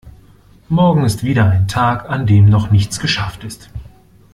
Morgen ist wieder ein Tag an dem noch nichts geschafft ist.